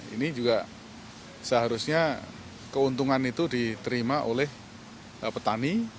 ini juga seharusnya keuntungan itu diterima oleh petani